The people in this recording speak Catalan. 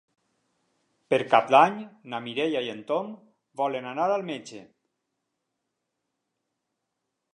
Per Cap d'Any na Mireia i en Tom volen anar al metge.